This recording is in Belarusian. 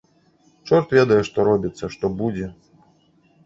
Чорт ведае што робіцца, што будзе.